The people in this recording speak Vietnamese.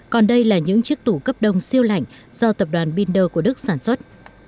còn đây là những chiếc tủ cấp đông siêu lạnh do tập đoàn binder của đức sản xuất